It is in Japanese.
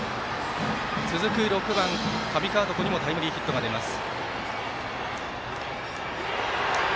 続く６番、上川床にもタイムリーヒットが出ます。